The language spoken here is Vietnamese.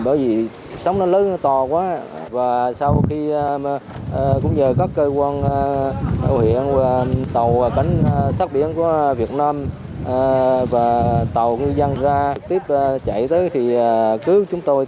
bởi vì sóng nó lớn nó to quá và sau khi cũng nhờ các cơ quan